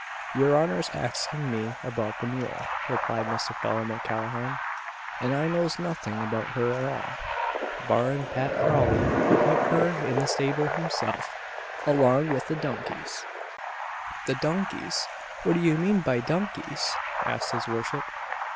"Yer honour's axing me about the mule," replied Mr. Phelim O'Callaghan, "an I knows nothing about her at all barrin Pat Crawley put her in the stable himself along with the dunkies." "The dunkies! what do you mean by dunkies?" asked his worship.